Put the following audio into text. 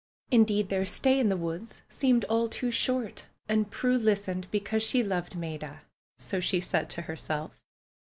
Indeed, their stay in the woods seemed all too short. And Prue listened because she loved Maida, so she said to herself.